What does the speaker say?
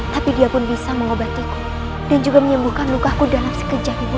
tapi dia pun bisa mengobatiku dan juga menyembuhkan lukaku dalam sekejapmu